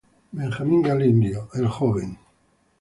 Benjamín Galindo Jr.